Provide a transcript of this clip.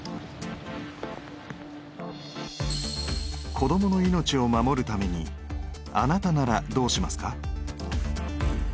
子どもの命を守るためにあなたならどうしますか？